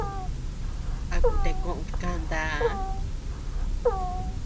A kutea koʼod kantaa.